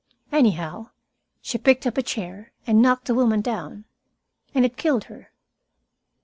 Anyhow, she picked up a chair and knocked the woman down. And it killed her."